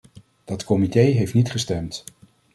Dat comité heeft niet gestemd.